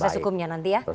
proses hukumnya nanti ya